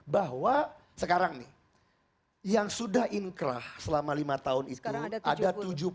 bahwa sekarang nih yang sudah inkrah selama lima tahun itu ada tujuh puluh lima